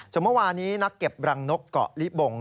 ส่วนเมื่อวานี้นักเก็บรังนกเกาะลิบง